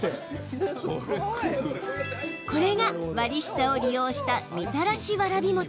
これが割り下を利用したみたらしわらび餅。